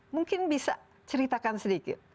mungkin bisa ceritakan sedikit